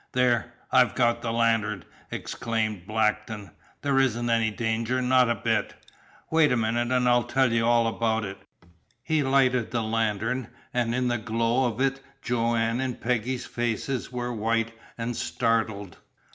"There I've got the lantern!" exclaimed Blackton. "There isn't any danger, not a bit. Wait a minute and I'll tell you all about it." He lighted the lantern, and in the glow of it Joanne's and Peggy's faces were white and startled.